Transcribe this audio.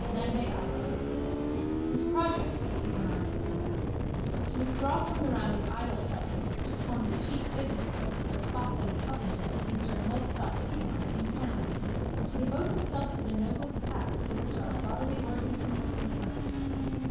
Lambay Island_. His project, as he went on to expound, was to withdraw from the round of idle pleasures such as form the chief business of sir Fopling Popinjay and sir Milksop Quidnunc in town and to devote himself to the noblest task for which our bodily organism has been framed.